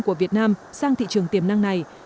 của việt nam sang thị trường tiềm năng này